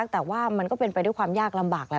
แต่ว่ามันก็เป็นไปด้วยความยากลำบากแล้ว